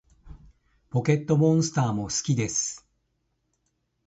ポケットモンスターも好きです